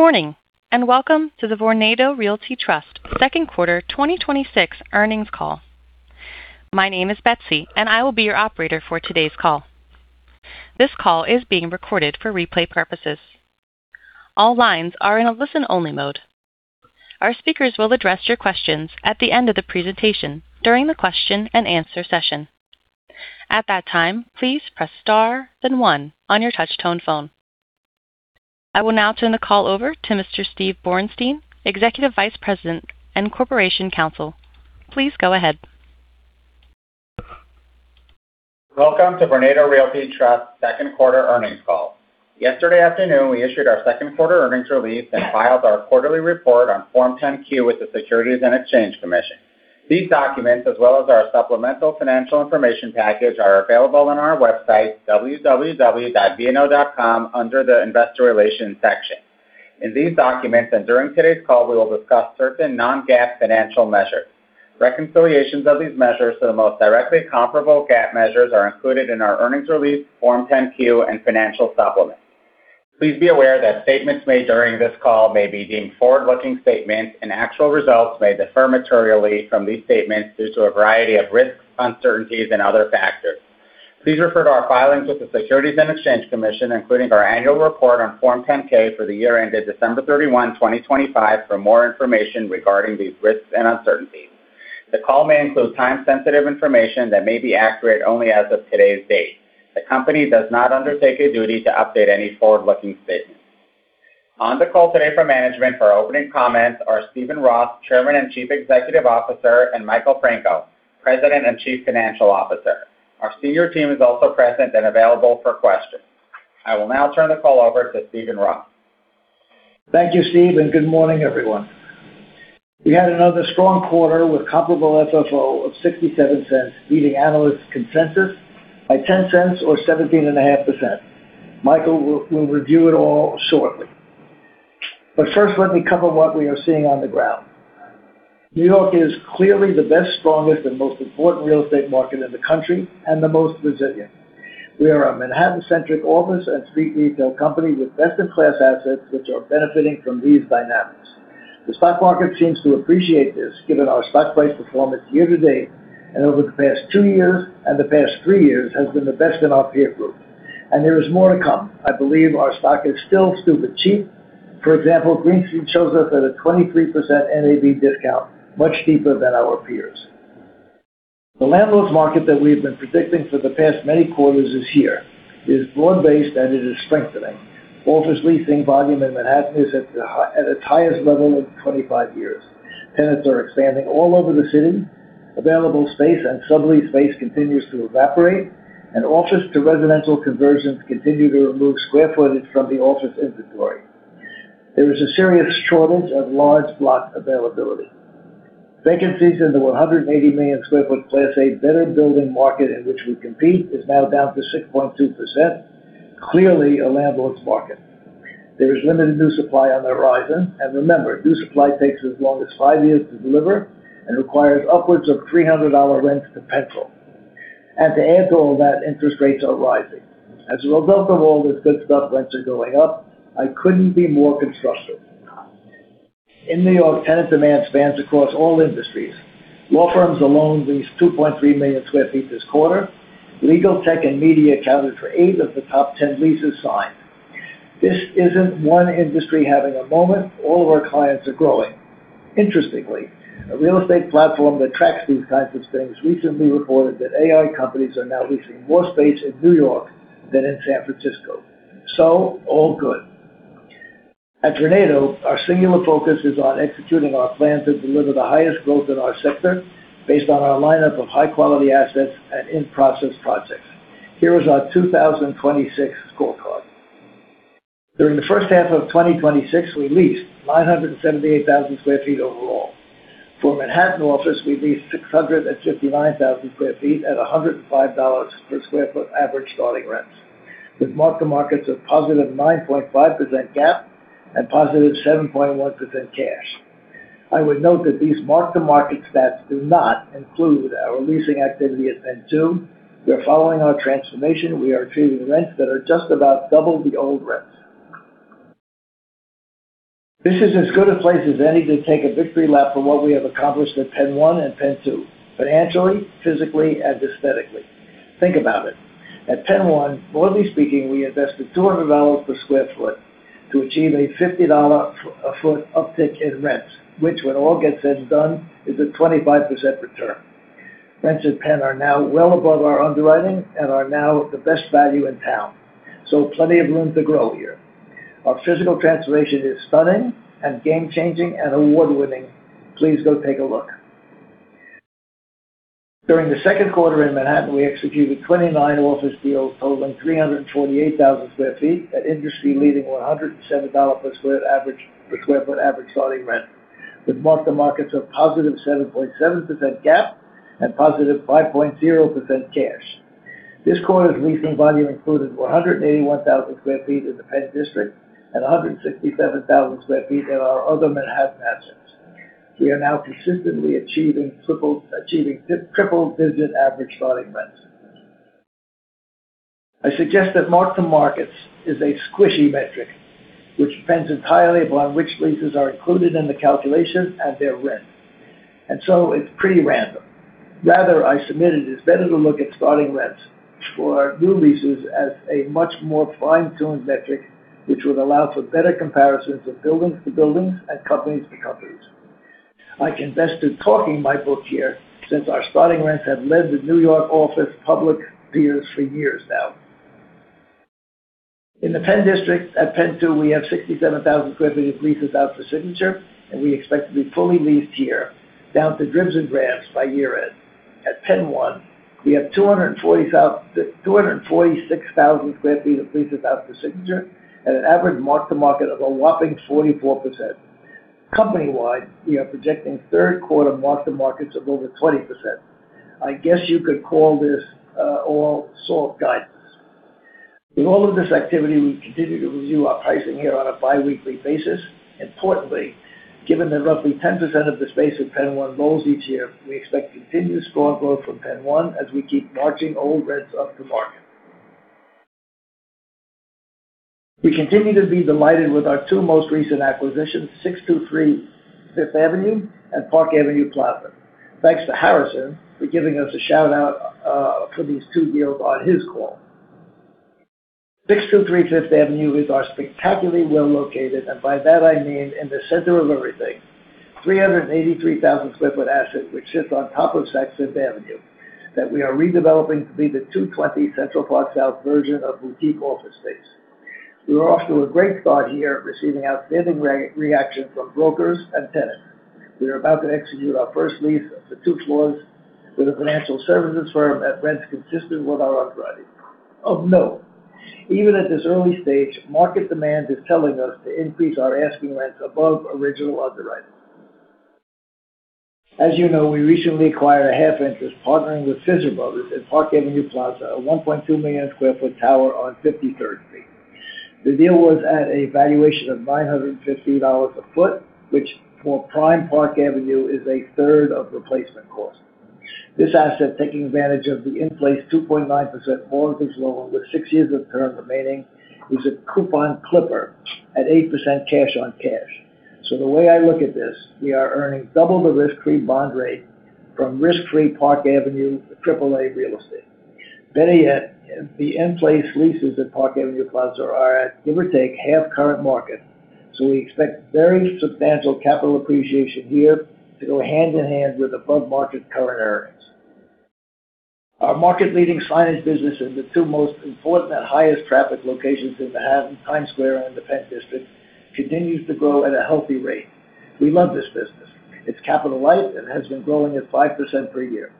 Good morning, welcome to the Vornado Realty Trust second quarter 2026 earnings call. My name is Betsy, and I will be your operator for today's call. This call is being recorded for replay purposes. All lines are in a listen-only mode. Our speakers will address your questions at the end of the presentation during the question and answer session. At that time, please press star then one on your touch tone phone. I will now turn the call over to Mr. Steven Borenstein, Executive Vice President and Corporation Counsel. Please go ahead. Welcome to Vornado Realty Trust second quarter earnings call. Yesterday afternoon, we issued our second quarter earnings release and filed our quarterly report on Form 10-Q with the Securities and Exchange Commission. These documents, as well as our supplemental financial information package, are available on our website vno.com under the investor relations section. In these documents and during today's call, we will discuss certain non-GAAP financial measures. Reconciliations of these measures to the most directly comparable GAAP measures are included in our earnings release, Form 10-Q and Financial Supplement. Please be aware that statements made during this call may be deemed forward-looking statements, actual results may differ materially from these statements due to a variety of risks, uncertainties and other factors. Please refer to our filings with the Securities and Exchange Commission, including our annual report on Form 10-K for the year ended December 31, 2025 for more information regarding these risks and uncertainties. The call may include time-sensitive information that may be accurate only as of today's date. The company does not undertake a duty to update any forward-looking statements. On the call today for management for opening comments are Steven Roth, Chairman and Chief Executive Officer, and Michael Franco, President and Chief Financial Officer. Our senior team is also present and available for questions. I will now turn the call over to Steven Roth. Thank you, Steve, good morning, everyone. We had another strong quarter with comparable FFO of $0.67, beating analyst consensus by $0.10 or 17.5%. Michael will review it all shortly. First, let me cover what we are seeing on the ground. New York is clearly the best, strongest, and most important real estate market in the country, and the most resilient. We are a Manhattan-centric office and street retail company with best-in-class assets which are benefiting from these dynamics. The stock market seems to appreciate this, given our stock price performance year-to-date and over the past two years and the past three years has been the best in our peer group. There is more to come. I believe our stock is still stupid cheap. For example, Green Street shows us at a 23% NAV discount, much deeper than our peers. The landlord's market that we've been predicting for the past many quarters is here. It is broad-based, and it is strengthening. Office leasing volume in Manhattan is at its highest level in 25 years. Tenants are expanding all over the city. Available space and sublease space continues to evaporate, and office to residential conversions continue to remove square footage from the office inventory. There is a serious shortage of large block availability. Vacancies in the 180 million square foot class A better building market in which we compete is now down to 6.2%, clearly a landlord's market. Remember, new supply takes as long as five years to deliver and requires upwards of $300 rent to pencil. To add to all that, interest rates are rising. As a result of all this good stuff, rents are going up. I couldn't be more constructive. In New York, tenant demand spans across all industries. Law firms alone leased 2.3 million square feet this quarter. Legal tech and media accounted for eight of the top 10 leases signed. This isn't one industry having a moment. All of our clients are growing. Interestingly, a real estate platform that tracks these kinds of things recently reported that AI companies are now leasing more space in New York than in San Francisco. All good. At Vornado, our singular focus is on executing our plan to deliver the highest growth in our sector based on our lineup of high quality assets and in process projects. Here is our 2026 scorecard. During the first half of 2026, we leased 978,000 sq ft overall. For Manhattan office, we leased 659,000 sq ft at $105 per square foot average starting rents with mark-to-markets of positive 9.5% GAAP and positive 7.1% cash. I would note that these mark-to-market stats do not include our leasing PENN 2. we are following our transformation. We are achieving rents that are just about double the old rents. This is as good a place as any to take a victory lap for what we have accomplished at PENN 1 and PENN 2, financially, physically, and aesthetically. Think about that PENN 1, broadly speaking, we invested $200 per square foot to achieve a $50 a foot uptick in rents, which when all gets said and done, is a 25% return. Rents at PENN are now well above our underwriting and are now the best value in town. Plenty of room to grow here. Our physical transformation is stunning and game changing and award-winning. Please go take a look. During the second quarter in Manhattan, we executed 29 office deals totaling 328,000 sq ft at industry leading $107 per square foot average starting rent with mark-to-markets of positive 7.7% GAAP and positive 5.0% cash. This quarter's leasing volume included 181,000 sq ft in the PENN District and 167,000 sq ft in our other Manhattan assets. We are now consistently achieving triple digit average starting rents I suggest that mark-to-markets is a squishy metric, which depends entirely upon which leases are included in the calculation and their rent. It's pretty random. Rather, I submitted it's better to look at starting rents for new leases as a much more fine-tuned metric, which would allow for better comparisons of buildings to buildings and companies to companies. I confess to talking my book here since our starting rents have led the New York office public peers for years now. In the PENN district and PENN 2, we have 67,000 sq ft of leases out for signature, and we expect to be fully leased here down to dribs and drabs by year at PENN 1, we have 246,000 sq ft of leases out for signature and an average mark-to-market of a whopping 44%. Company-wide, we are projecting third quarter mark-to-markets of over 20%. I guess you could call this all sort guidance. With all of this activity, we continue to review our pricing here on a biweekly basis. Importantly, given that roughly 10% of the space of PENN 1 rolls each year, we expect continued scorecard from PENN 1 as we keep marching old rents up to market. We continue to be delighted with our two most recent acquisitions, 623 Fifth Avenue and Park Avenue Plaza. Thanks to Harrison for giving us a shout-out for these two deals on his call. 623 Fifth Avenue is our spectacularly well-located, and by that I mean in the center of everything, 383,000 sq ft asset, which sits on top of Saks Fifth Avenue that we are redeveloping to be the 220 Central Park South version of boutique office space. We were off to a great start here, receiving outstanding reaction from brokers and tenants. We are about to execute our first lease for two floors with a financial services firm at rents consistent with our underwriting. Of note, even at this early stage, market demand is telling us to increase our asking rents above original underwriting. As you know, we recently acquired a half interest partnering with Fisher Brothers at Park Avenue Plaza, a 1.2 million square feet tower on 53rd Street. The deal was at a valuation of $950 a foot, which for prime Park Avenue is a third of replacement cost. The way I look at this, we are earning double the risk-free bond rate from risk-free Park Avenue triple A real estate. Better yet, the in-place leases at Park Avenue Plaza are at give or take half current market, so we expect very substantial capital appreciation here to go hand in hand with above market current earnings. Our market leading signage business in the two most important and highest traffic locations in Manhattan, Times Square and the PENN District, continues to grow at a healthy rate. We love this business. It's capital light and has been growing at 5% per year.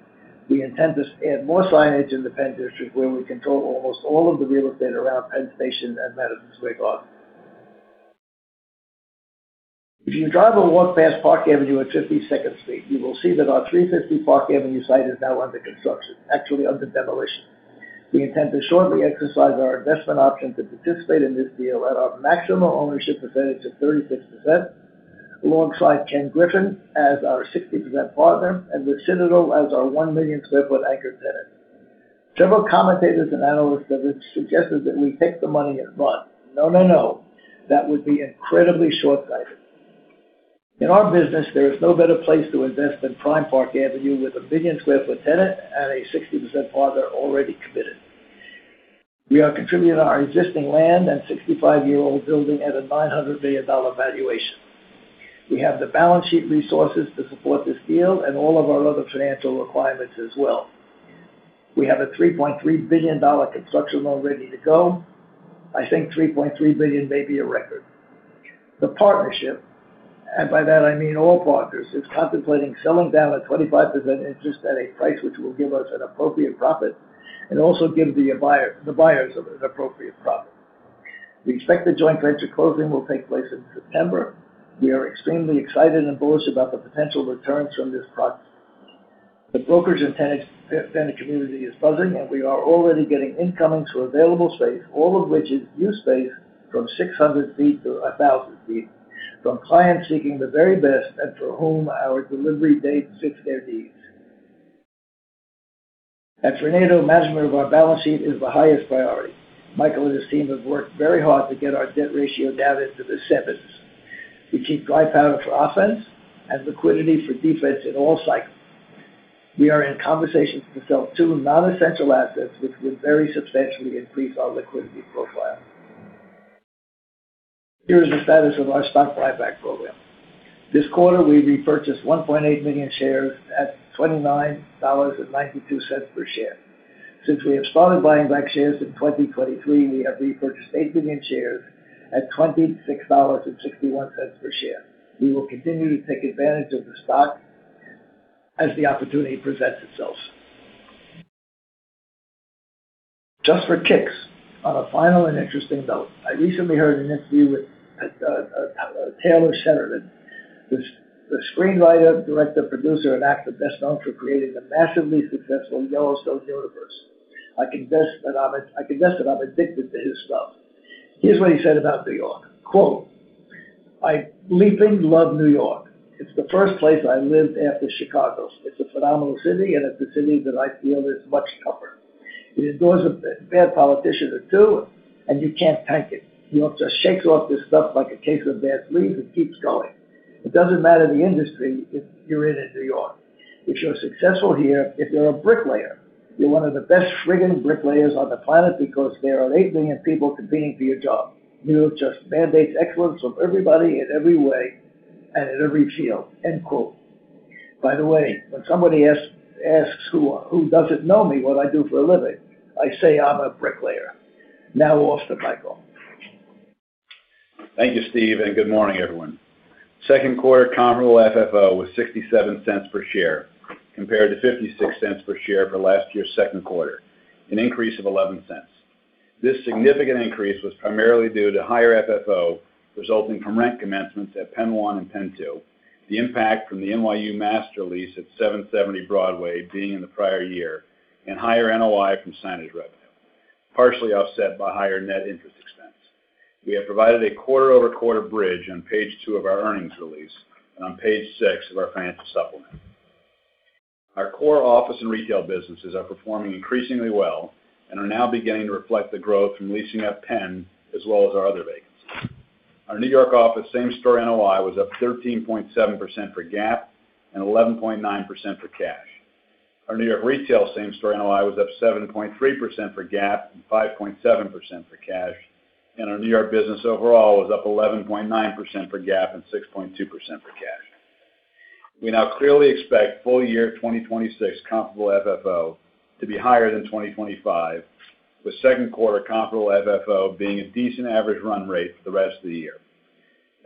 We intend to add more signage in the PENN District where we control almost all of the real estate around PENN Station and Madison Square Garden. If you drive or walk past Park Avenue and 52nd Street, you will see that our 350 Park Avenue site is now under construction, actually under demolition. We intend to shortly exercise our investment option to participate in this deal at our maximum ownership percentage of 36% alongside Ken Griffin as our 60% partner and with Citadel as our 1 million sq ft anchor tenant. Several commentators and analysts have suggested that we take the money and run. No, no. That would be incredibly short-sighted. In our business, there is no better place to invest than prime Park Avenue with a million square foot tenant and a 60% partner already committed. We are contributing our existing land and 65-year-old building at a $900 million valuation. We have the balance sheet resources to support this deal and all of our other financial requirements as well. We have a $3.3 billion construction loan ready to go. I think $3.3 billion may be a record. The partnership, and by that I mean all partners, is contemplating selling down a 25% interest at a price which will give us an appropriate profit and also give the buyers an appropriate profit. We expect the joint venture closing will take place in September. We are extremely excited and bullish about the potential returns from this project. The brokers and tenant community is buzzing. We are already getting incoming to available space, all of which is new space from 600 feet to 1,000 feet from clients seeking the very best and for whom our delivery date fits their needs. At Vornado, management of our balance sheet is the highest priority. Michael and his team have worked very hard to get our debt ratio down into the sevens. We keep gunpowder for offense and liquidity for defense in all cycles. We are in conversations to sell two non-essential assets, which will very substantially increase our liquidity profile. Here is the status of our stock buyback program. This quarter, we repurchased 1.8 million shares at $29.92 per share. Since we have started buying back shares in 2023, we have repurchased 8 million shares at $26.61 per share. We will continue to take advantage of the stock as the opportunity presents itself. Just for kicks, on a final and interesting note, I recently heard an interview with Taylor Sheridan, the screenwriter, director, producer, and actor best known for creating the massively successful Yellowstone universe. I confess that I'm addicted to his stuff. Here's what he said about New York, quote I leaping love New York. It's the first place I lived after Chicago. It's a phenomenal city. It's a city that I feel is much tougher. It endures a bad politician or two, and you can't tank it. New York just shakes off this stuff like a case of bad fleas and keeps going. It doesn't matter the industry you're in in New York. If you're successful here, if you're a bricklayer, you're one of the best frigging bricklayers on the planet because there are 8 million people competing for your job. New York just mandates excellence from everybody in every way and in every field." End quote. By the way, when somebody asks who doesn't know me what I do for a living, I say I'm a bricklayer. Now off to Michael. Thank you, Steve, and good morning, everyone. Second quarter comparable FFO was $0.67 per share compared to $0.56 per share for last year's second quarter, an increase of $0.11. This significant increase was primarily due to higher FFO resulting from rent PENN 2, the impact from the New York University master lease at 770 Broadway being in the prior year, and higher NOI from signage revenue, partially offset by higher net interest expense. We have provided a quarter-over-quarter bridge on page two of our earnings release and on page six of our financial supplement. Our core office and retail businesses are performing increasingly well and are now beginning to reflect the growth from leasing at PENN as well as our other vacancies. Our N.Y. office same store NOI was up 13.7% for GAAP and 11.9% for cash. Our N.Y. retail same store NOI was up 7.3% for GAAP and 5.7% for cash. Our N.Y. business overall was up 11.9% for GAAP and 6.2% for cash. We now clearly expect full year 2026 comparable FFO to be higher than 2025, with second quarter comparable FFO being a decent average run rate for the rest of the year.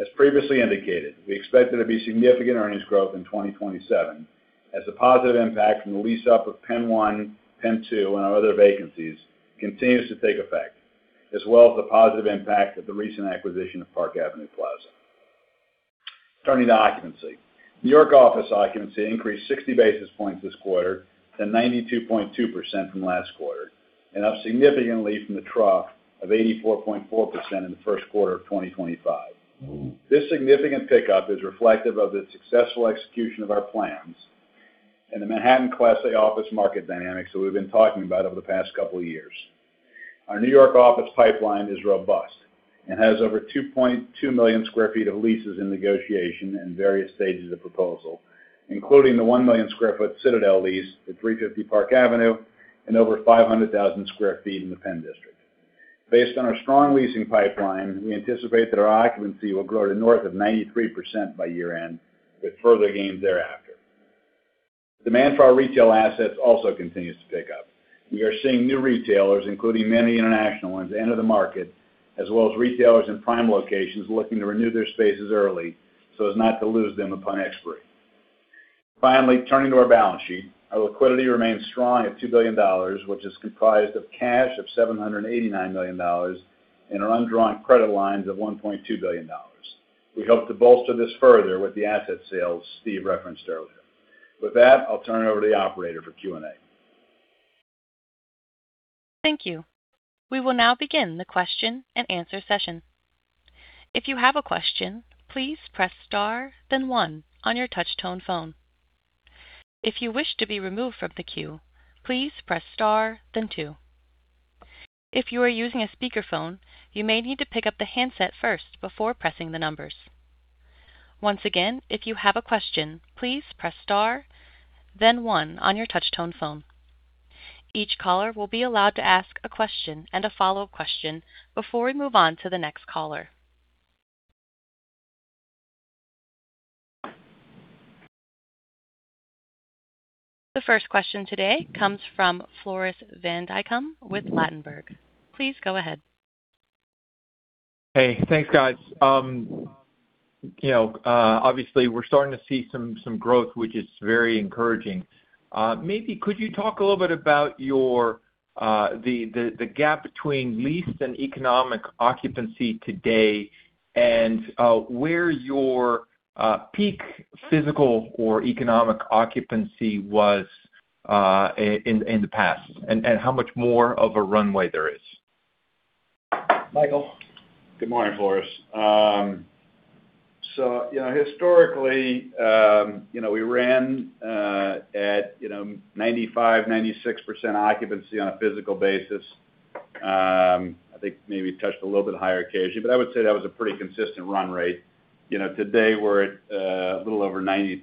As previously indicated, we expect there to be significant earnings growth in 2027 as the positive impact and the lease off for PENN 1, PENN 2, and our other vacancies continues to take effect, as well as the positive impact of the recent acquisition of Park Avenue Plaza. Turning to occupancy. N.Y. office occupancy increased 60 basis points this quarter to 92.2% from last quarter, and up significantly from the trough of 84.4% in the first quarter of 2025. This significant pickup is reflective of the successful execution of our plans and the Manhattan Class A office market dynamics that we've been talking about over the past couple of years. Our N.Y. office pipeline is robust and has over 2.2 million square feet of leases in negotiation in various stages of proposal, including the 1 million square feet Citadel lease at 350 Park Avenue and over 500,000 sq ft in the PENN District. Based on our strong leasing pipeline, we anticipate that our occupancy will grow to north of 93% by year-end with further gains thereafter. Demand for our retail assets also continues to pick up. We are seeing new retailers, including many international ones, enter the market, as well as retailers in prime locations looking to renew their spaces early so as not to lose them upon expiry. Finally, turning to our balance sheet. Our liquidity remains strong at $2 billion, which is comprised of cash of $789 million and our undrawn credit lines of $1.2 billion. We hope to bolster this further with the asset sales Steve referenced earlier. With that, I'll turn it over to the operator for Q&A. Thank you. We will now begin the question and answer session. If you have a question, please press star then one on your touch tone phone. If you wish to be removed from the queue, please press star then two. If you are using a speakerphone, you may need to pick up the handset first before pressing the numbers. Once again, if you have a question, please press star then one on your touch tone phone. Each caller will be allowed to ask a question and a follow-up question before we move on to the next caller. The first question today comes from Floris van Dijkum with Ladenburg. Please go ahead. Hey, thanks, guys. Obviously, we're starting to see some growth, which is very encouraging. Maybe could you talk a little bit about the gap between leased and economic occupancy today and where your peak physical or economic occupancy was in the past, and how much more of a runway there is? Michael. Good morning, Floris. Historically we ran at 95%-96% occupancy on a physical basis. I think maybe touched a little bit higher occasionally, but I would say that was a pretty consistent run rate. Today we're at a little over 92%.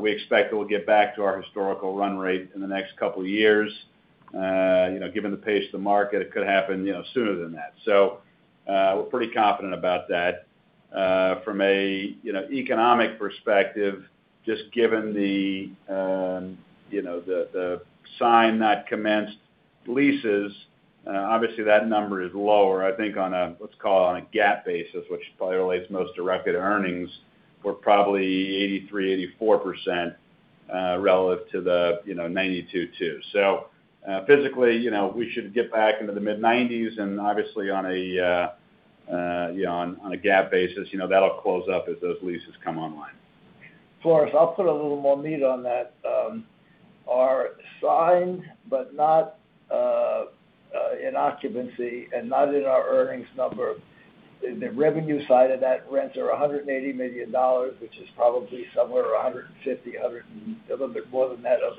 We expect we'll get back to our historical run rate in the next couple of years. Given the pace of the market, it could happen sooner than that. We're pretty confident about that. From an economic perspective, just given the signed that commenced leases, obviously that number is lower, I think on a, let's call it on a GAAP basis, which probably relates most directly to earnings. We're probably 83%-84% relative to the 92%. Physically we should get back into the mid-90s and obviously on a GAAP basis that'll close up as those leases come online. Floris, I'll put a little more meat on that. These are signed, but not in occupancy and not in our earnings number. The revenue side of that rents are $180 million, which is probably somewhere around $150 million, a little bit more than that of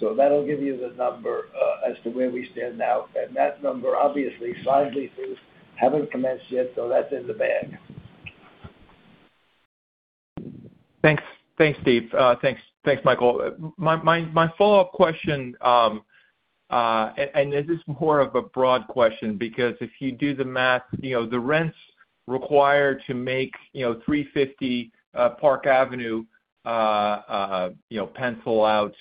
FFO. That'll give you the number as to where we stand now. That number, obviously, signed leases haven't commenced yet, so that's in the bag. Thanks, Steve. Thanks, Michael. My follow-up question, this is more of a broad question, because if you do the math, the rents required to make 350 Park Avenue pencil out,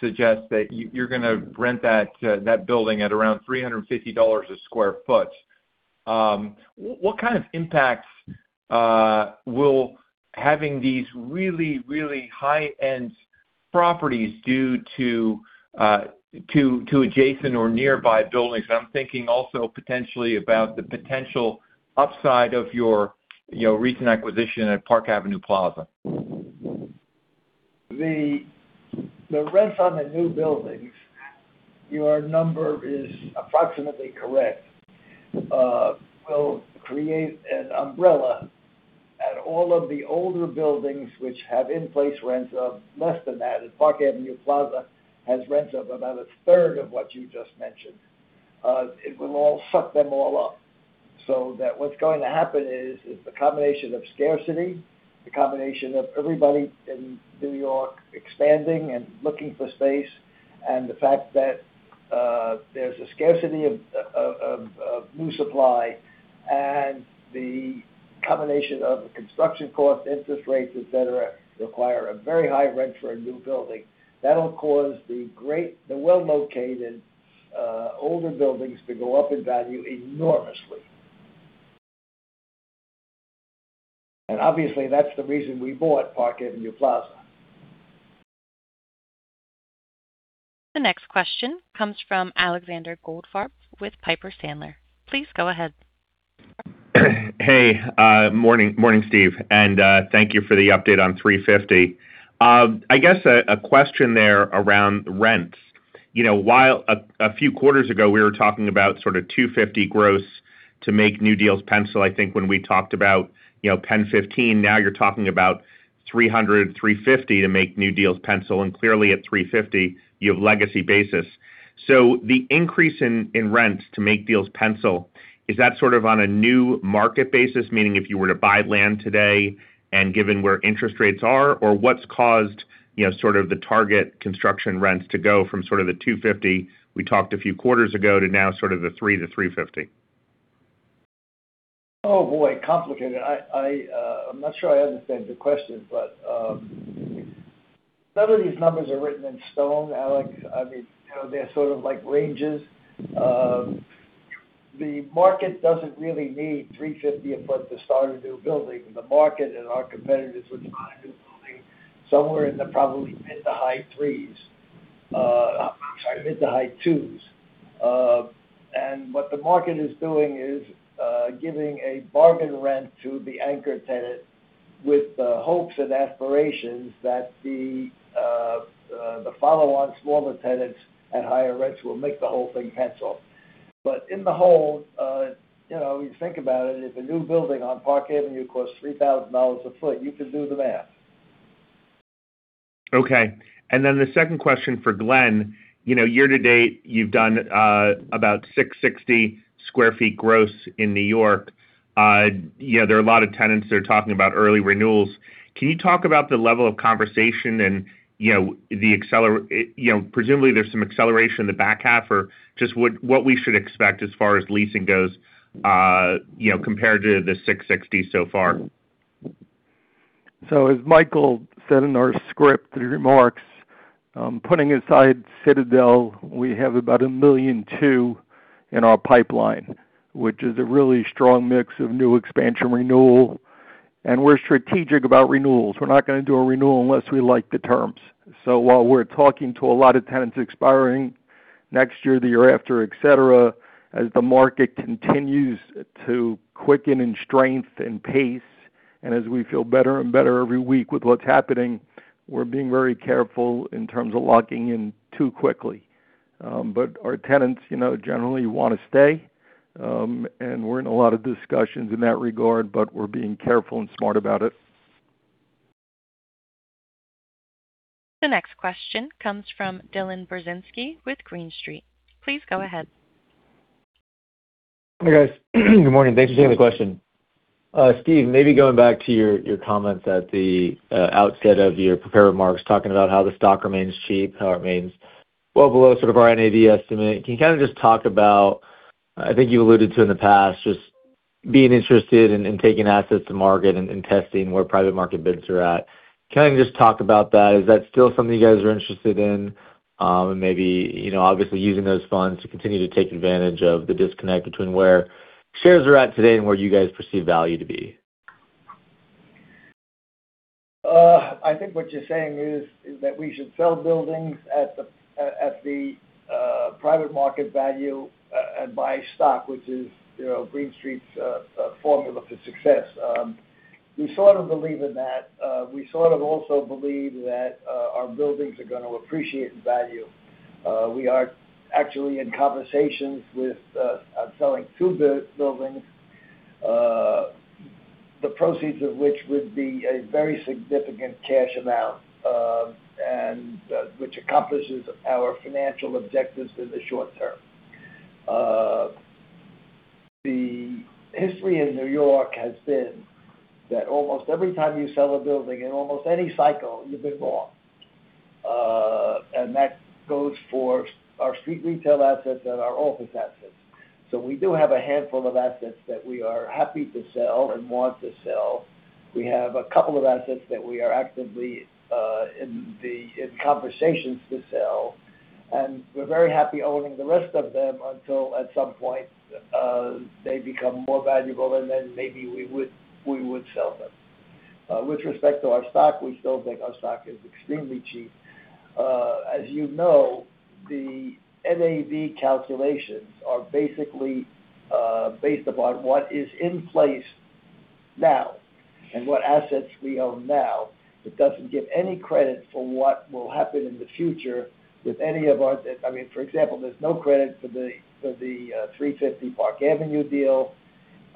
suggests that you're going to rent that building at around $350 a square foot. What kind of impacts will having these really high-end properties do to adjacent or nearby buildings? I'm thinking also potentially about the potential upside of your recent acquisition at Park Avenue Plaza. The rents on the new buildings, your number is approximately correct, will create an umbrella at all of the older buildings which have in place rents of less than that. Park Avenue Plaza has rents of about a third of what you just mentioned. It will all suck them all up. That what's going to happen is, the combination of scarcity, the combination of everybody in New York expanding and looking for space, and the fact that there's a scarcity of new supply, and the combination of construction costs, interest rates, et cetera, require a very high rent for a new building. That'll cause the well-located older buildings to go up in value enormously. Obviously, that's the reason we bought Park Avenue Plaza. The next question comes from Alexander Goldfarb with Piper Sandler. Please go ahead. Hey, morning Steve, thank you for the update on 350. I guess a question there around rents. A few quarters ago, we were talking about sort of 250 gross to make new deals pencil, I think, when we talked about PENN 15. now you're talking about 300, 350 to make new deals pencil, clearly at 350 you have legacy basis. The increase in rents to make deals pencil, is that sort of on a new market basis? Meaning if you were to buy land today and given where interest rates are? What's caused sort of the target construction rents to go from sort of the 250 we talked a few quarters ago to now sort of the three to 350? Oh, boy. Complicated. I'm not sure I understand the question. None of these numbers are written in stone, Alex. They're sort of like ranges. The market doesn't really need $350 a foot to start a new building. The market and our competitors would want a new building somewhere in the probably mid to high twos. What the market is doing is, giving a bargain rent to the anchor tenant with the hopes and aspirations that the follow-on smaller tenants at higher rents will make the whole thing pencil. In the whole, if you think about it, if a new building on Park Avenue costs $3,000 a foot, you can do the math. Okay. The second question for Glen. Year to date, you've done about 660 sq ft gross in New York. There are a lot of tenants that are talking about early renewals. Can you talk about the level of conversation and presumably there's some acceleration in the back half, or just what we should expect as far as leasing goes compared to the 660 so far? As Michael said in our script, the remarks, putting aside Citadel, we have about 1.2 million in our pipeline, which is a really strong mix of new expansion renewal. We're strategic about renewals. We're not going to do a renewal unless we like the terms. While we're talking to a lot of tenants expiring next year, the year after, et cetera, as the market continues to quicken in strength and pace, and as we feel better and better every week with what's happening, we're being very careful in terms of locking in too quickly. Our tenants generally want to stay. We're in a lot of discussions in that regard, but we're being careful and smart about it. The next question comes from Dylan Burzinski with Green Street. Please go ahead. Hey, guys. Good morning. Thanks for taking the question. Steve, maybe going back to your comments at the outset of your prepared remarks, talking about how the stock remains cheap, how it remains well below sort of our NAV estimate. Can you kind of just talk about, I think you alluded to in the past, just being interested in taking assets to market and testing where private market bids are at. Can I just talk about that? Is that still something you guys are interested in? Maybe, obviously using those funds to continue to take advantage of the disconnect between where shares are at today and where you guys perceive value to be. I think what you're saying is that we should sell buildings at the private market value and buy stock, which is Green Street's formula for success. We sort of believe in that. We sort of also believe that our buildings are going to appreciate in value. We are actually in conversations with selling two buildings, the proceeds of which would be a very significant cash amount, which accomplishes our financial objectives in the short term. The history in New York has been that almost every time you sell a building, in almost any cycle, you've been wrong. That goes for our street retail assets and our office assets. We do have a handful of assets that we are happy to sell and want to sell. We have a couple of assets that we are actively in conversations to sell, and we're very happy owning the rest of them until, at some point, they become more valuable, and then maybe we would sell them. With respect to our stock, we still think our stock is extremely cheap. As you know, the NAV calculations are basically based upon what is in place now and what assets we own now. It doesn't give any credit for what will happen in the future. For example, there's no credit for the 350 Park Avenue deal,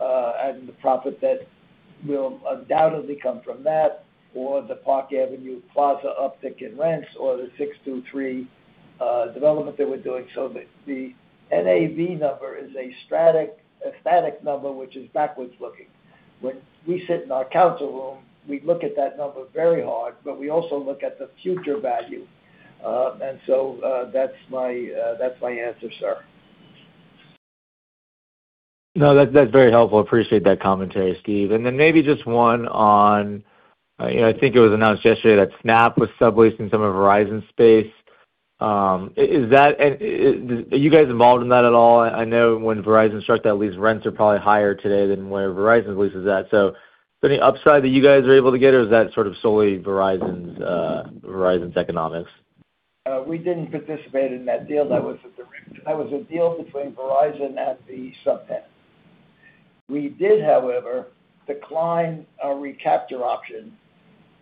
and the profit that will undoubtedly come from that, or the Park Avenue Plaza uptick in rents or the 623 development that we're doing. The NAV number is a static number which is backwards looking. When we sit in our council room, we look at that number very hard, but we also look at the future value. That's my answer, sir. No, that's very helpful. Appreciate that commentary, Steve. Maybe just one on, I think it was announced yesterday that Snap was subleasing some of Verizon's space. Are you guys involved in that at all? I know when Verizon starts that lease, rents are probably higher today than where Verizon's lease is at. Is there any upside that you guys are able to get, or is that sort of solely Verizon's economics? We didn't participate in that deal. That was a deal between Verizon and the subtenant. We did, however, decline a recapture option,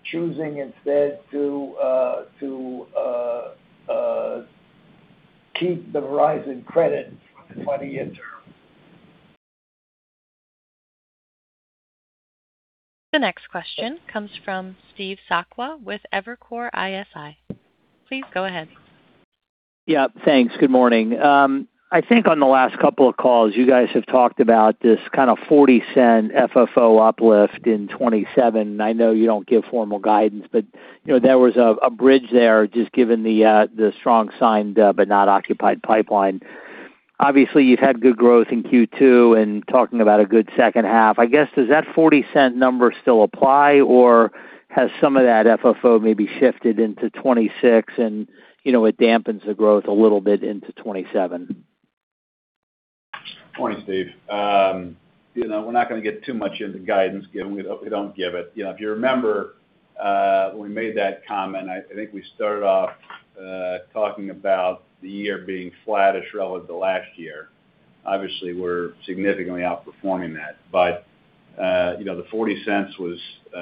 choosing instead to keep the Verizon credit for the 20-year term. The next question comes from Steve Sakwa with Evercore ISI. Please go ahead. Yeah, thanks. Good morning. I think on the last couple of calls, you guys have talked about this kind of $0.40 FFO uplift in 2027. I know you don't give formal guidance, there was a bridge there just given the strong signed but not occupied pipeline. Obviously, you've had good growth in Q2 and talking about a good second half. I guess, does that $0.40 number still apply, or has some of that FFO maybe shifted into 2026 and it dampens the growth a little bit into 2027? Morning, Steve. We're not going to get too much into guidance given we don't give it. If you remember, when we made that comment, I think we started off talking about the year being flattish relative to last year. Obviously, we're significantly outperforming that. The $0.40 was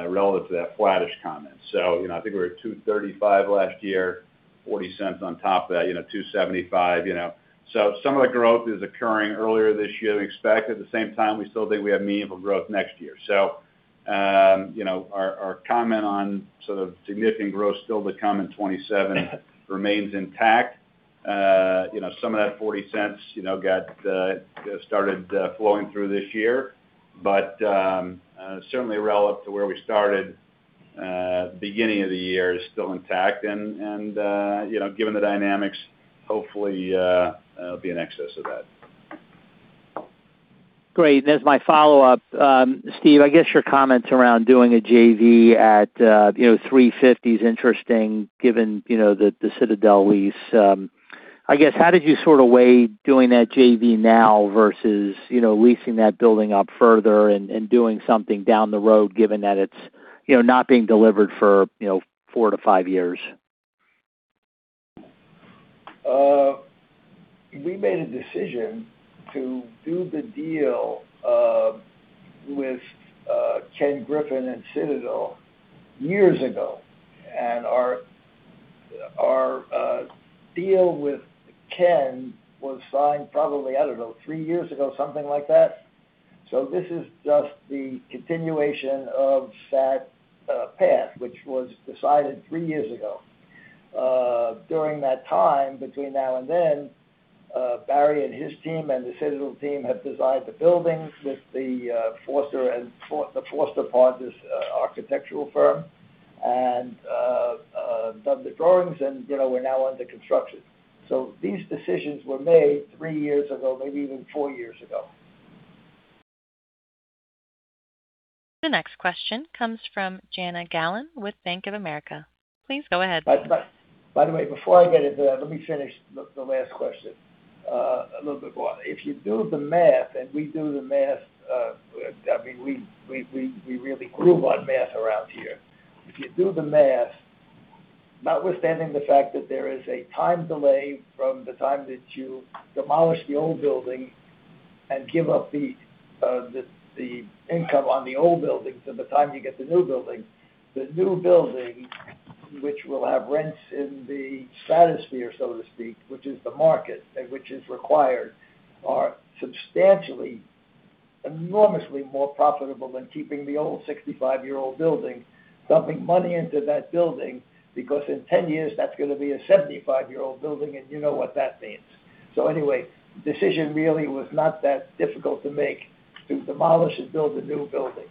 relative to that flattish comment. I think we were at $2.35 last year, $0.40 on top of that, $2.75. Some of the growth is occurring earlier this year than expected. At the same time, we still think we have meaningful growth next year. Our comment on sort of significant growth still to come in 2027 remains intact. Some of that $0.40 got started flowing through this year, but certainly relative to where we started, the beginning of the year is still intact. Given the dynamics, hopefully it'll be in excess of that. Great. As my follow-up, Steve, I guess your comments around doing a JV at $350 million is interesting given the Citadel lease. I guess, how did you sort of weigh doing that JV now versus leasing that building up further and doing something down the road, given that it's not being delivered for four to five years? We made a decision to do the deal with Ken Griffin and Citadel years ago. Our deal with Ken was signed probably, I don't know, three years ago, something like that. This is just the continuation of that path, which was decided three years ago. During that time, between now and then, Barry and his team and the Citadel team have designed the building with the Foster+ Partners architectural firm and done the drawings, and we're now under construction. These decisions were made three years ago, maybe even four years ago. The next question comes from Jana Galan with Bank of America. Please go ahead. By the way, before I get into that, let me finish the last question a little bit more. If you do the math, and we do the math, we really groove on math around here. If you do the math, notwithstanding the fact that there is a time delay from the time that you demolish the old building and give up the income on the old building to the time you get the new building, the new building, which will have rents in the stratosphere, so to speak, which is the market, and which is required, are substantially, enormously more profitable than keeping the old 65-year-old building, dumping money into that building, because in 10 years, that's going to be a 75-year-old building, and you know what that means. Anyway, the decision really was not that difficult to make to demolish and build a new building.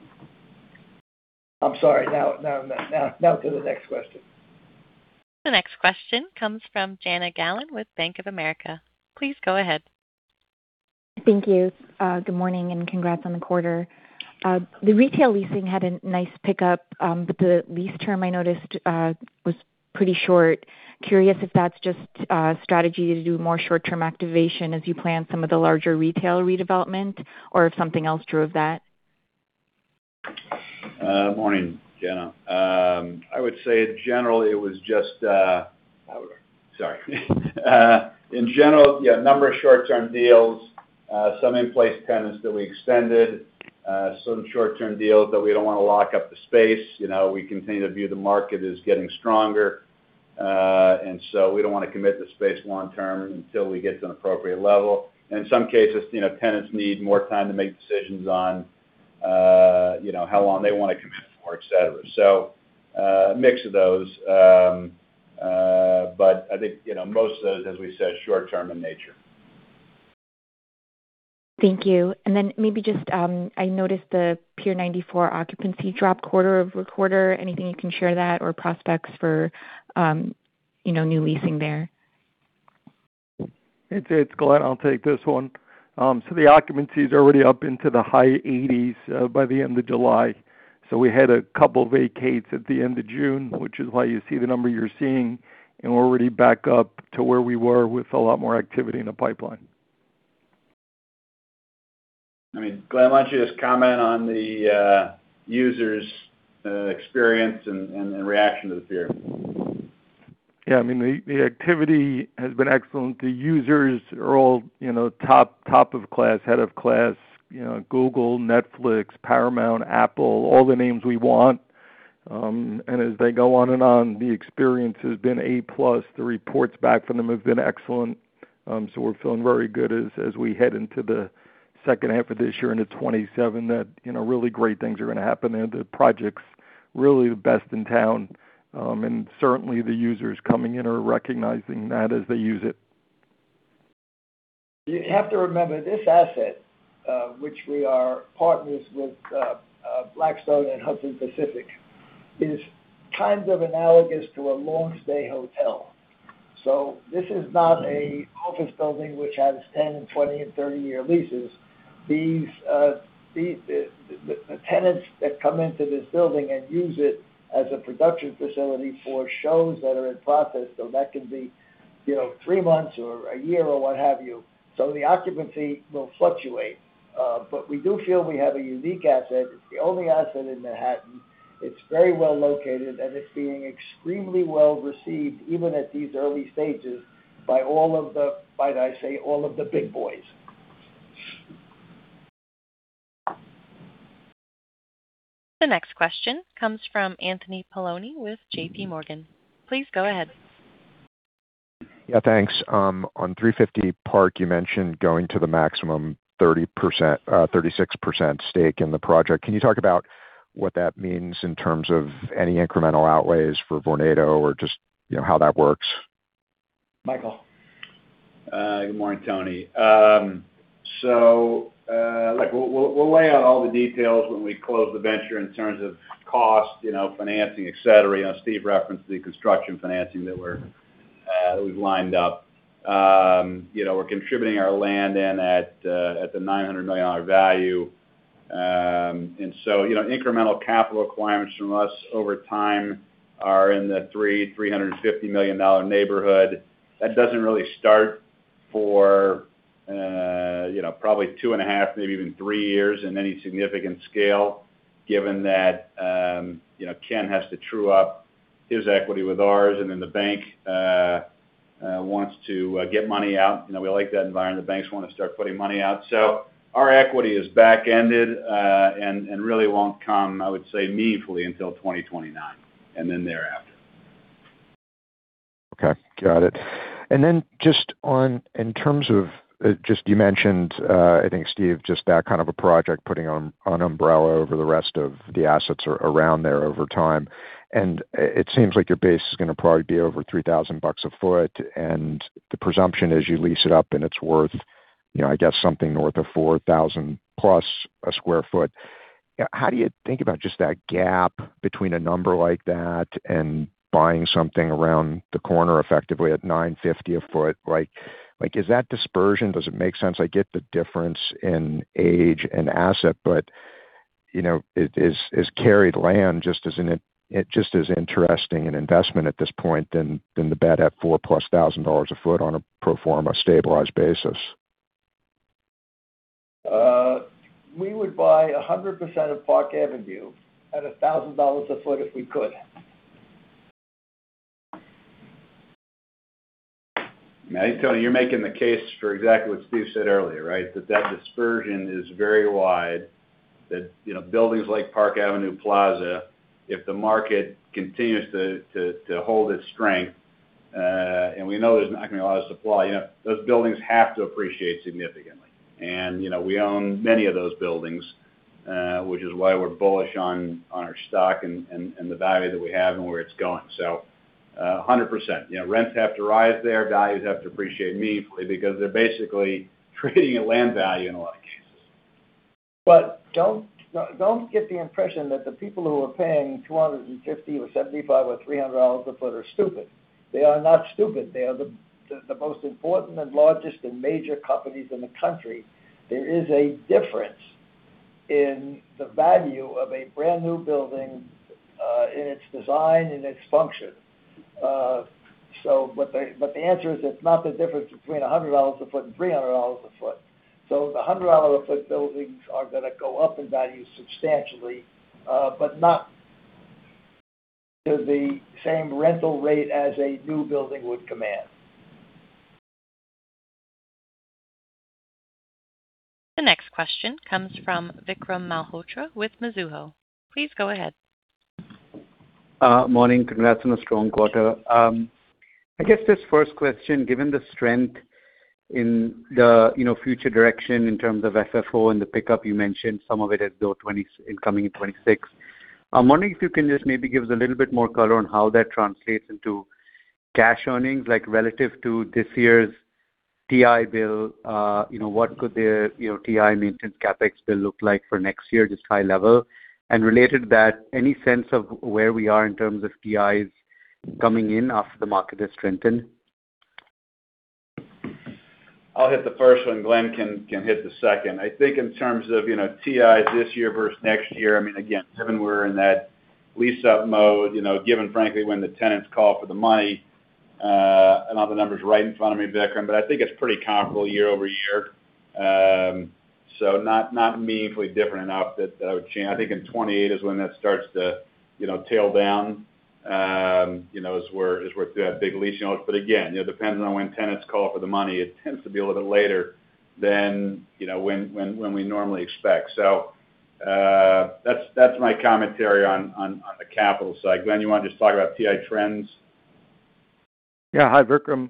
I'm sorry. Now to the next question. The next question comes from Jana Galan with Bank of America. Please go ahead. Thank you. Good morning, and congrats on the quarter. The retail leasing had a nice pickup, but the lease term I noticed was pretty short. Curious if that's just a strategy to do more short-term activation as you plan some of the larger retail redevelopment, or if something else drove that. Morning, Jana. In general, yeah, a number of short-term deals, some in-place tenants that we extended, some short-term deals that we don't want to lock up the space. We continue to view the market as getting stronger. We don't want to commit to space long term until we get to an appropriate level. In some cases, tenants need more time to make decisions on how long they want to commit for, et cetera. A mix of those. I think, most of those, as we said, short term in nature. Thank you. Maybe just, I noticed the Pier 94 occupancy dropped quarter-over-quarter. Anything you can share that, or prospects for new leasing there? It's Glen. I'll take this one. The occupancy's already up into the high 80s by the end of July. We had a couple vacates at the end of June, which is why you see the number you're seeing, and we're already back up to where we were with a lot more activity in the pipeline. Glen, why don't you just comment on the users' experience and their reaction to the pier? The activity has been excellent. The users are all top of class, head of class, Google, Netflix, Paramount, Apple, all the names we want. As they go on and on, the experience has been A plus. The reports back from them have been excellent. We're feeling very good as we head into the second half of this year into 2027, that really great things are going to happen, and the project's really the best in town. Certainly the users coming in are recognizing that as they use it. You have to remember, this asset, which we are partners with Blackstone and Hudson Pacific, is kind of analogous to a long-stay hotel. This is not an office building which has 10 and 20 and 30-year leases. The tenants that come into this building and use it as a production facility for shows that are in process, so that can be three months or a year, or what have you. The occupancy will fluctuate. We do feel we have a unique asset. It's the only asset in Manhattan. It's very well located, and it's being extremely well received, even at these early stages, by all of the, might I say, all of the big boys. The next question comes from Anthony Paolone with JPMorgan. Please go ahead. Thanks. On 350 Park, you mentioned going to the maximum 36% stake in the project. Can you talk about what that means in terms of any incremental outlays for Vornado or just how that works? Michael. Good morning, Tony. We'll lay out all the details when we close the venture in terms of cost, financing, et cetera. Steve referenced the construction financing that we've lined up. We're contributing our land in at the $900 million value. Incremental capital requirements from us over time are in the $300 million-$350 million neighborhood. That doesn't really start for probably two and a half, maybe even three years in any significant scale, given that Ken has to true up his equity with ours, and then the bank wants to get money out. We like that environment. The banks want to start putting money out. Our equity is back ended, and really won't come, I would say, meaningfully until 2029, and then thereafter. Okay. Got it. Just on in terms of just, you mentioned, I think, Steve, just that kind of a project putting an umbrella over the rest of the assets around there over time. It seems like your base is going to probably be over $3,000 a foot, and the presumption is you lease it up and it's worth, I guess, something north of $4,000 plus a square foot. How do you think about just that gap between a number like that and buying something around the corner effectively at $950 a foot? Is that dispersion, does it make sense? I get the difference in age and asset, is carried land just as interesting an investment at this point than the built at $4,000-plus a foot on a pro forma stabilized basis? We would buy 100% of Park Avenue at $1,000 a foot if we could. Tony, you're making the case for exactly what Steve said earlier, right? That dispersion is very wide, that buildings like Park Avenue Plaza, if the market continues to hold its strength, and we know there's not going to be a lot of supply, those buildings have to appreciate significantly. We own many of those buildings, which is why we're bullish on our stock and the value that we have and where it's going. 100%. Rents have to rise there. Values have to appreciate meaningfully because they're basically trading at land value in a lot of cases. Don't get the impression that the people who are paying $250 or $75 or $300 a foot are stupid. They are not stupid. They are the most important and largest and major companies in the country. There is a difference in the value of a brand-new building, in its design, in its function. The answer is, it's not the difference between $100 a foot and $300 a foot. The $100 a foot buildings are going to go up in value substantially, but not to the same rental rate as a new building would command. The next question comes from Vikram Malhotra with Mizuho. Please go ahead. Morning. Congrats on a strong quarter. This first question, given the strength in the future direction in terms of FFO and the pickup you mentioned, some of it as though coming in 2026. I'm wondering if you can give us a little bit more color on how that translates into cash earnings, like relative to this year's TI bill. What could their TI maintenance CapEx bill look like for next year, just high level? Related to that, any sense of where we are in terms of TIs coming in after the market has strengthened? I'll hit the first one. Glen can hit the second. In terms of TIs this year versus next year, again, given we're in that lease-up mode, given frankly when the tenants call for the money. I don't have the numbers right in front of me, Vikram, but it's pretty comparable year-over-year. Not meaningfully different enough that I would change. In 2028 is when that starts to tail down as we're through that big lease-up. Again, depends on when tenants call for the money. It tends to be a little bit later than when we normally expect. That's my commentary on the capital side. Glen, you want to just talk about TI trends? Yeah. Hi, Vikram.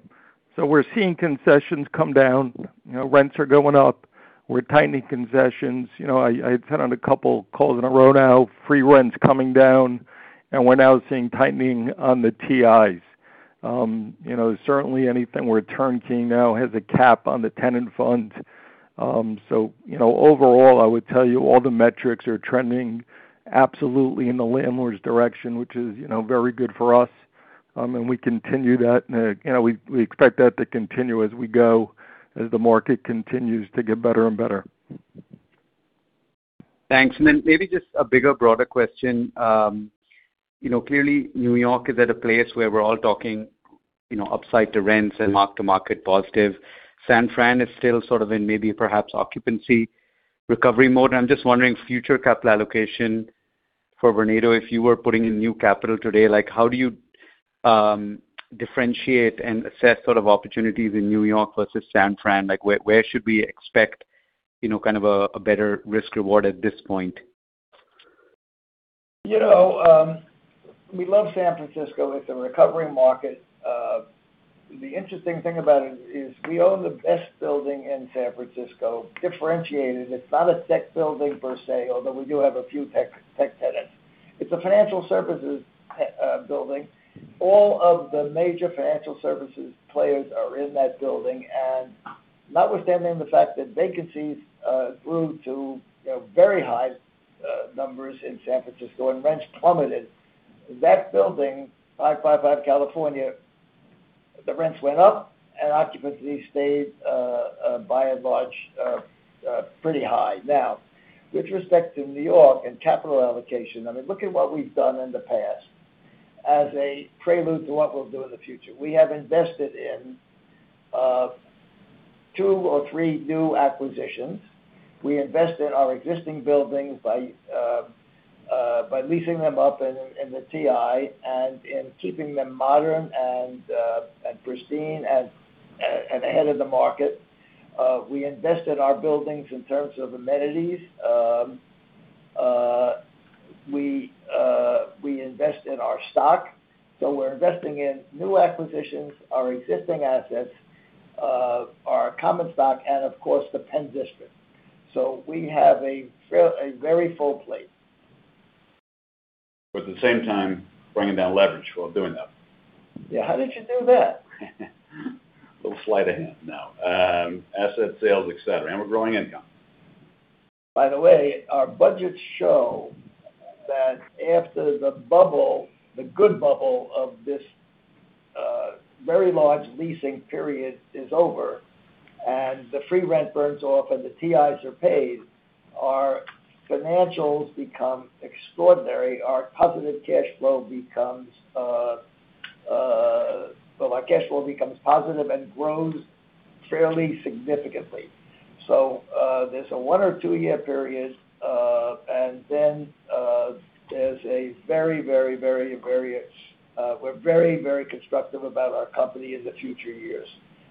We're seeing concessions come down. Rents are going up. We're tightening concessions. I've sat on a couple calls in a row now, free rents coming down, and we're now seeing tightening on the TIs. Certainly anything we're turning now has a cap on the tenant funds. Overall, I would tell you all the metrics are trending absolutely in the landlord's direction, which is very good for us. We continue that, and we expect that to continue as we go, as the market continues to get better and better. Thanks. Maybe just a bigger, broader question. Clearly, New York is at a place where we're all talking upside to rents and mark-to-market positive. San Fran is still sort of in maybe perhaps occupancy recovery mode. I'm just wondering, future capital allocation for Vornado, if you were putting in new capital today, how do you differentiate and assess sort of opportunities in New York versus San Fran? Where should we expect kind of a better risk-reward at this point? We love San Francisco. It's a recovering market. The interesting thing about it is we own the best building in San Francisco, differentiated. It's not a tech building per se, although we do have a few tech tenants. It's a financial services building. All of the major financial services players are in that building. Notwithstanding the fact that vacancies grew to very high numbers in San Francisco and rents plummeted, that building, 555 California, the rents went up and occupancy stayed by and large pretty high. Now, with respect to New York and capital allocation, look at what we've done in the past as a prelude to what we'll do in the future. We have invested in two or three new acquisitions. We invest in our existing buildings by leasing them up in the TI and in keeping them modern and pristine and ahead of the market. We invest in our buildings in terms of amenities. We invest in our stock. We're investing in new acquisitions, our existing assets, our common stock, and of course, the PENN district. We have a very full plate. At the same time, bringing down leverage while doing that. Yeah. How did you do that? Little sleight of hand. No. Asset sales, et cetera. We're growing income. By the way, our budgets show that after the bubble, the good bubble of this very large leasing period is over, and the free rent burns off and the TIs are paid, our financials become extraordinary. Our cash flow becomes positive and grows fairly significantly. There's a one or two-year period, then there's a very, very constructive about our company in the future years.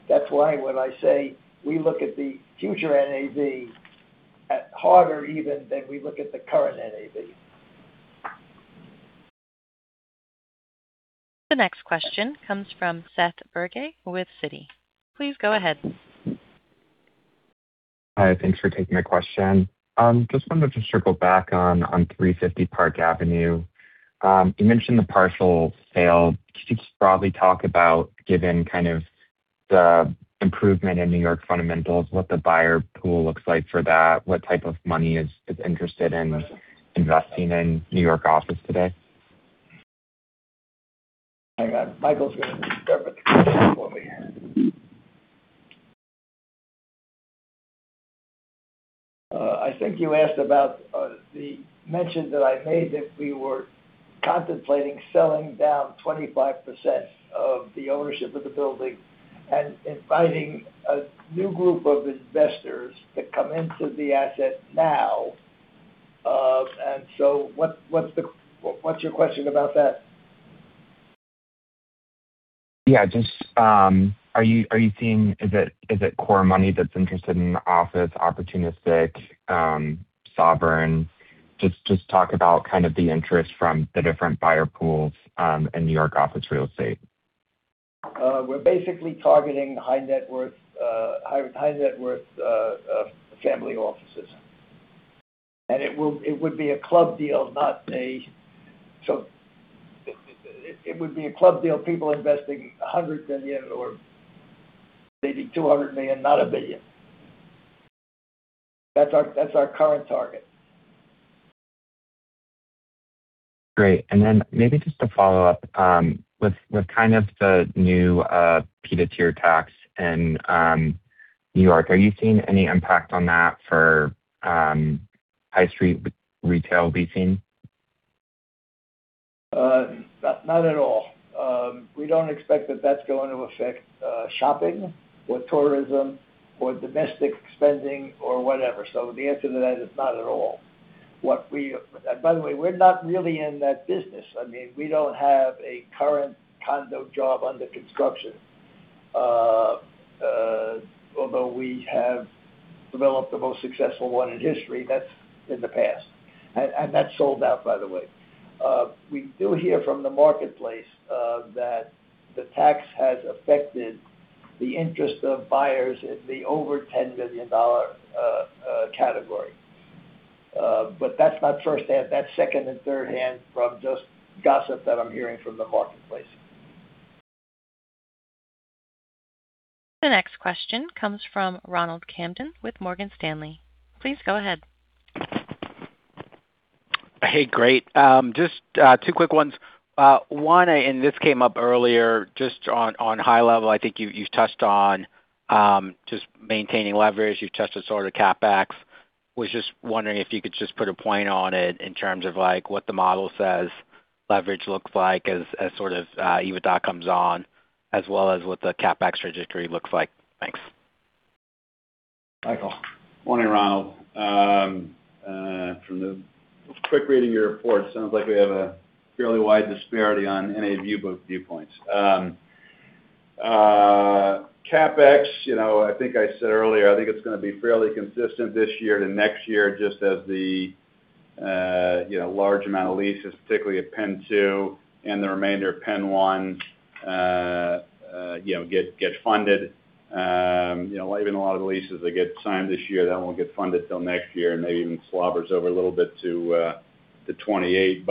That's why when I say we look at the future NAV harder even than we look at the current NAV. The next question comes from Seth Bergey with Citi. Please go ahead. Hi, thanks for taking my question. Just wanted to circle back on 350 Park Avenue. You mentioned the partial sale. Could you just broadly talk about, given kind of the improvement in New York fundamentals, what the buyer pool looks like for that? What type of money is interested in investing in New York office today? Hang on. Michael's going to start with that for me. I think you asked about the mention that I made that we were contemplating selling down 25% of the ownership of the building and inviting a new group of investors to come into the asset now. What's your question about that? Yeah. Is it core money that's interested in office opportunistic, sovereign? Just talk about kind of the interest from the different buyer pools, in New York office real estate. We're basically targeting high net worth family offices. It would be a club deal, people investing $100 million or maybe $200 million, not $1 billion. That's our current target. Great. Maybe just to follow up, with kind of the new pied-à-terre tax in New York, are you seeing any impact on that for high street retail leasing? Not at all. We don't expect that that's going to affect shopping or tourism or domestic spending or whatever. The answer to that is not at all. By the way, we're not really in that business. I mean, we don't have a current condo job under construction. Although we have developed the most successful one in history, that's in the past. That's sold out, by the way. We do hear from the marketplace that the tax has affected the interest of buyers in the over $10 million category. That's not firsthand. That's second and thirdhand from just gossip that I'm hearing from the marketplace. The next question comes from Ronald Kamdem with Morgan Stanley. Please go ahead. Hey, great. Just two quick ones. One, this came up earlier, just on high level, I think you've touched on just maintaining leverage. You've touched on sort of CapEx. Was just wondering if you could just put a point on it in terms of what the model says leverage looks like as sort of EBITDA comes on, as well as what the CapEx trajectory looks like. Thanks. Michael. Morning, Ronald. From the quick reading of your report, sounds like we have a fairly wide disparity on any view book viewpoints. CapEx, I think I said earlier, I think it's going to be fairly consistent this year to next year, just as the large amount of leases, particularly PENN 2 and the remainder PENN 1 get funded. Even a lot of the leases that get signed this year, that won't get funded till next year and maybe even slobbers over a little bit to 2028.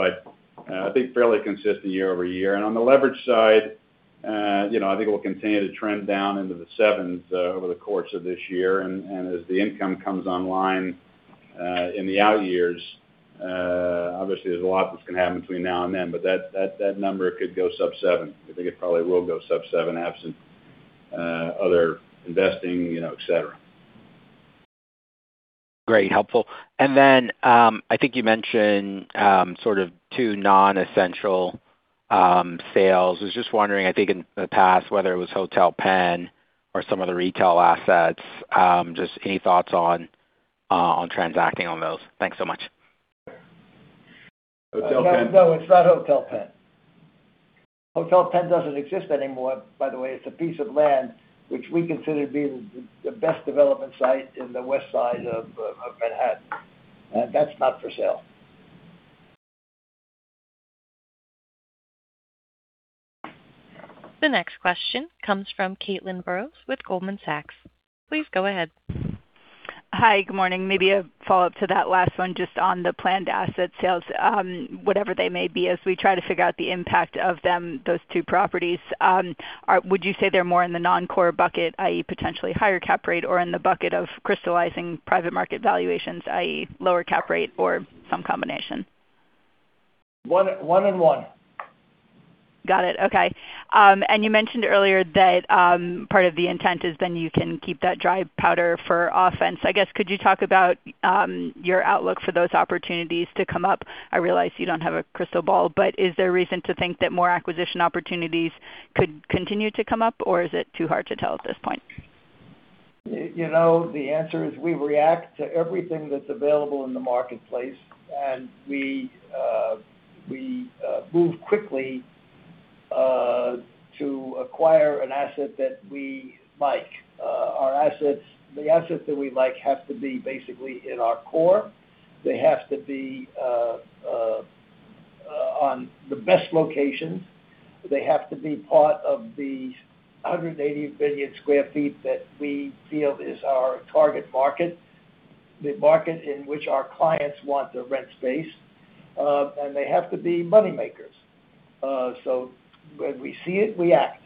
I think fairly consistent year-over-year. On the leverage side, I think it will continue to trend down into the sevens over the course of this year. As the income comes online in the out years, obviously there's a lot that's going to happen between now and then, but that number could go sub-seven. I think it probably will go sub-seven absent other investing, et cetera. Great, helpful. Then, I think you mentioned sort of two non-essential sales. I was just wondering, I think in the past, whether it was Hotel Penn or some other retail assets, just any thoughts on transacting on those? Thanks so much. Hotel Penn. No, it's not Hotel Penn. Hotel Penn doesn't exist anymore, by the way. It's a piece of land which we consider to be the best development site in the West Side of Manhattan, that's not for sale. The next question comes from Caitlin Burrows with Goldman Sachs. Please go ahead. Hi, good morning. Maybe a follow-up to that last one, just on the planned asset sales, whatever they may be, as we try to figure out the impact of those two properties. Would you say they're more in the non-core bucket, i.e., potentially higher cap rate, or in the bucket of crystallizing private market valuations, i.e., lower cap rate or some combination? One and one. Got it. Okay. You mentioned earlier that part of the intent is then you can keep that dry powder for offense. Could you talk about your outlook for those opportunities to come up? I realize you don't have a crystal ball, but is there reason to think that more acquisition opportunities could continue to come up, or is it too hard to tell at this point? The answer is we react to everything that's available in the marketplace, and we move quickly to acquire an asset that we like. The assets that we like have to be basically in our core. They have to be on the best locations. They have to be part of the 180 million square feet that we feel is our target market, the market in which our clients want to rent space. They have to be money makers. When we see it, we act.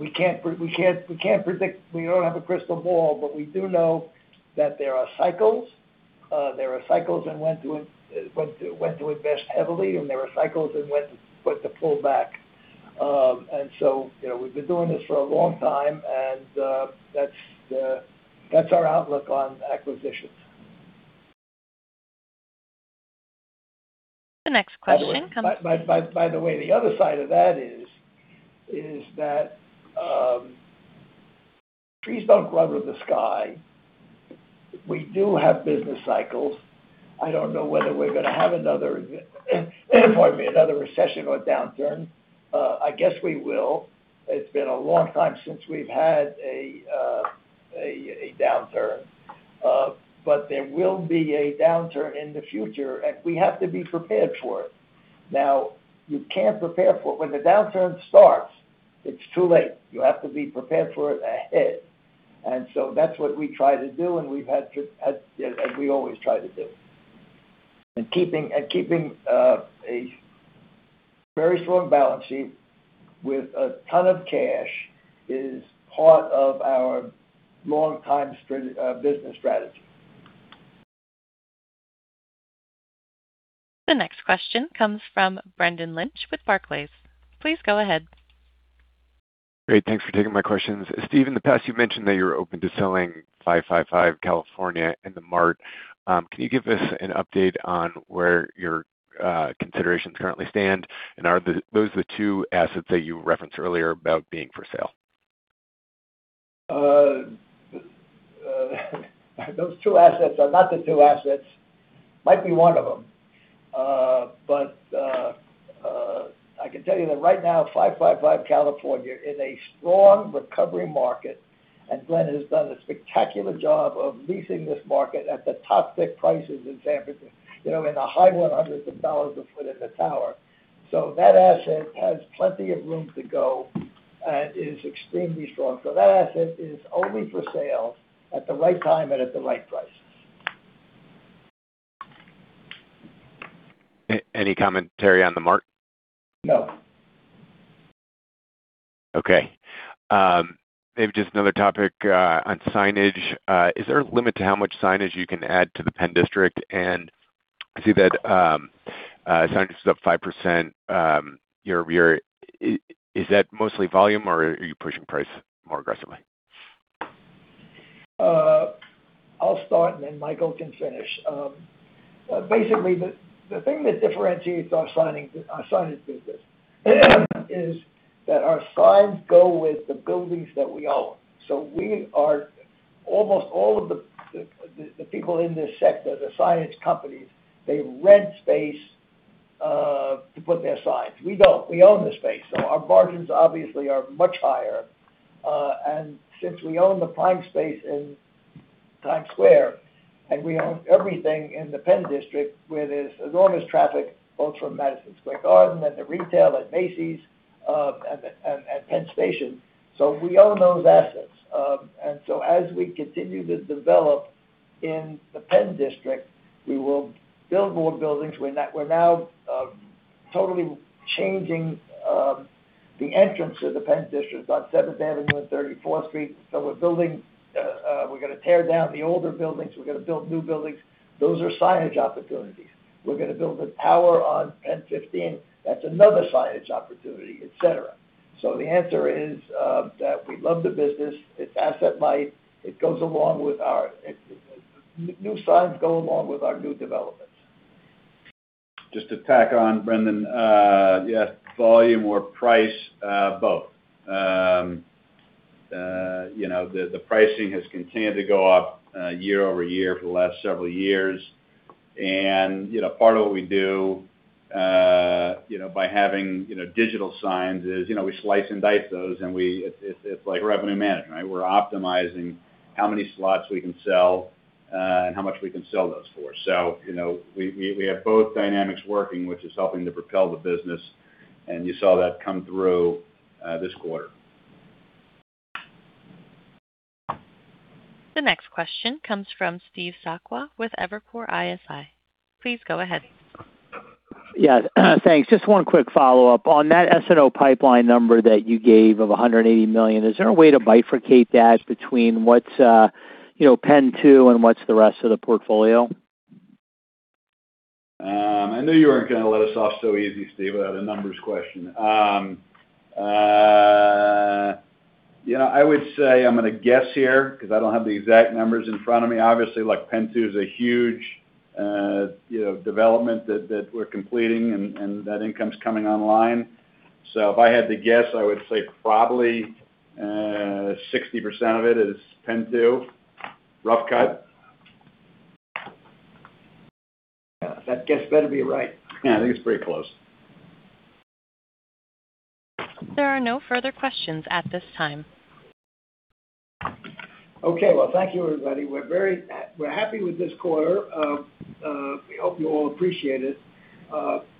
We can't predict. We don't have a crystal ball, but we do know that there are cycles. There are cycles in when to invest heavily, and there are cycles in when to pull back. We've been doing this for a long time, and that's our outlook on acquisitions. The next question comes. By the way, the other side of that is that trees don't grow to the sky. We do have business cycles. I don't know whether we're going to have another pardon me, another recession or downturn. I guess we will. It's been a long time since we've had a downturn. There will be a downturn in the future, and we have to be prepared for it. You can't prepare for it. When the downturn starts, it's too late. You have to be prepared for it ahead. That's what we try to do, and we've had to, as we always try to do. Keeping a very strong balance sheet with a ton of cash is part of our longtime business strategy. The next question comes from Brendan Lynch with Barclays. Please go ahead. Great. Thanks for taking my questions. Steve, in the past, you mentioned that you were open to selling 555 California and The Mart. Can you give us an update on where your considerations currently stand, and are those the two assets that you referenced earlier about being for sale? Those two assets are not the two assets. Might be one of them. I can tell you that right now, 555 California is a strong recovery market, and Glen has done a spectacular job of leasing this market at the top stick prices in San Francisco, in the high $100s a foot in the tower. That asset has plenty of room to go and is extremely strong. That asset is only for sale at the right time and at the right price. Any commentary on The Mart? No. Okay. Maybe just another topic on signage. Is there a limit to how much signage you can add to the PENN District? I see that signage is up 5%. Is that mostly volume, or are you pushing price more aggressively? I'll start and then Michael can finish. Basically, the thing that differentiates our signage business is that our signs go with the buildings that we own. We are almost all of the people in this sector, the signage companies, they rent space to put their signs. We don't. We own the space. Our margins obviously are much higher. Since we own the prime space in Times Square, and we own everything in the PENN District, where there's enormous traffic, both from Madison Square Garden and the retail at Macy's, and PENN Station. We own those assets. As we continue to develop in the PENN District, we will build more buildings. We're now totally changing the entrance of the PENN District on 7th Avenue and 34th Street. We're going to tear down the older buildings. We're going to build new buildings. Those are signage opportunities. We're going to build a power on PENN 15. that's another signage opportunity, et cetera. The answer is that we love the business. It's asset light. New signs go along with our new developments. Just to tack on, Brendan, yes, volume or price, both. The pricing has continued to go up year-over-year for the last several years. Part of what we do, by having digital signs is we slice and dice those, and it's like revenue management, right? We're optimizing how many slots we can sell, and how much we can sell those for. We have both dynamics working, which is helping to propel the business. You saw that come through this quarter. The next question comes from Steve Sakwa with Evercore ISI. Please go ahead. Yeah, thanks. Just one quick follow-up. On that SNO pipeline number that you gave of $180 million, is there a way to bifurcate that between PENN 2 and what's the rest of the portfolio? I knew you weren't going to let us off so easy, Steve, without a numbers question. I would say, I'm going to guess here because I don't have the exact numbers in front of me. Obviously like PENN 2 is a huge development that we're completing and that income's coming online. If I had to guess, I would say probably 60% of it is PENN 2. rough cut. Yeah, that guess better be right. Yeah, I think it's pretty close. There are no further questions at this time. Okay. Well, thank you everybody. We're happy with this quarter. We hope you all appreciate it.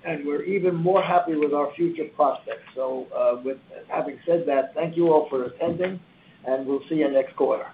We're even more happy with our future prospects. With having said that, thank you all for attending, and we'll see you next quarter.